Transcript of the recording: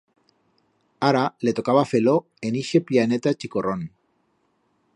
Ara, le tocaba fer-lo en ixe pllaneta chicorrón.